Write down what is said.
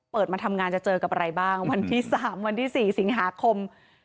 มาทำงานจะเจอกับอะไรบ้างวันที่๓วันที่๔สิงหาคม